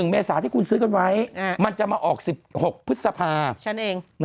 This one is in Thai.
เมษาที่คุณซื้อกันไว้มันจะมาออก๑๖พฤษภาฉันเอง